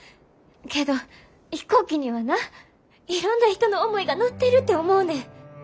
けど飛行機にはないろんな人の思いが乗ってるて思うねん。